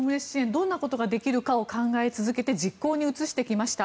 どんなことができるかを考え続けて実行に移してきました。